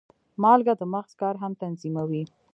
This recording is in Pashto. مالګه د مغز کار هم تنظیموي.